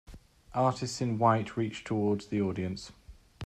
Artists in white reach towards the audience.